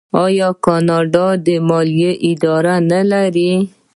آیا کاناډا د مالیې اداره نلري؟